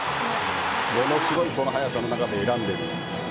ものすごい速さの中で選んでいる。